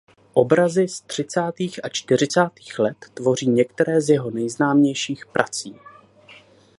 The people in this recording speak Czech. Obrazy z třicátých a čtyřicátých let tvoří některé z jeho nejznámějších prací.